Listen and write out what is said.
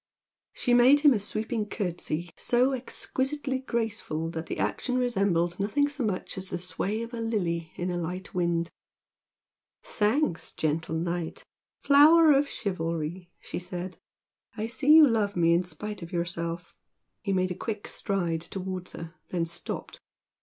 She made him a sweeping curtsy so exquisitely graceful that the action resembled nothing so much as the sway of a lily in a light wind. "Thanks, gentle Knight! flower of chivalry!" she said "I see you love me in spite of yourself!" He made a quick stride towards her, then stopped.